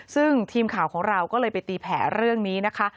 ซึ่งทีมข่าวของเราก็เลยไปตีแผลเรื่องนี้นะคะ